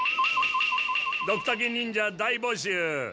「ドクタケ忍者大募集！」。